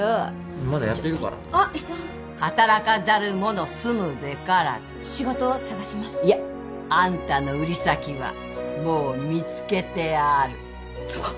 まだやってるからあっ痛働かざるもの住むべからず仕事探しますいやあんたの売り先はもう見つけてあるあっ！